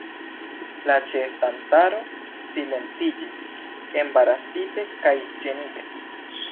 La ĉeestantaro silentiĝis, embarasite kaj ĝenite.